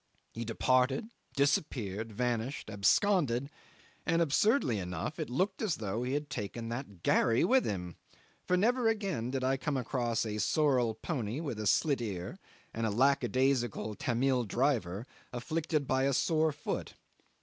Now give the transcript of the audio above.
He departed, disappeared, vanished, absconded; and absurdly enough it looked as though he had taken that gharry with him, for never again did I come across a sorrel pony with a slit ear and a lackadaisical Tamil driver afflicted by a sore foot.